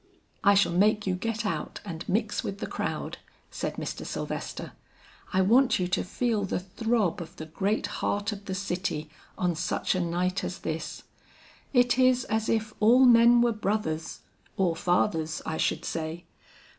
"I shall make you get out and mix with the crowd," said Mr. Sylvester. "I want you to feel the throb of the great heart of the city on such a night as this. It is as if all men were brothers or fathers, I should say.